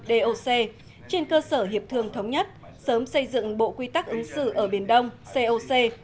doc trên cơ sở hiệp thương thống nhất sớm xây dựng bộ quy tắc ứng xử ở biển đông coc